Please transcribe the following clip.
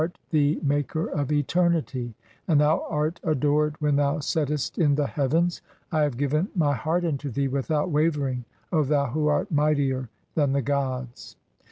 A HYMN TO THE RISING SUN. 3 9 "maker of etcrnitv, and thou art adored [when] thou settest in the "heavens. I have given my heart unto thee (3o) without wavering, "O thou who art mightier than the gods."